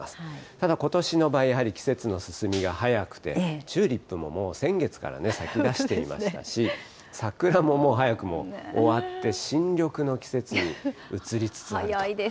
ただことしの場合、やはり季節の進みが早くて、チューリップももう先月から咲きだしていましたし、桜ももう早くも終わって、新緑の季節に移りつつあると。